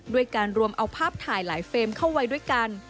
ด้วยการรวมเอาภาพถ่ายหลายเฟรมเข้าไว้ด้วยกัน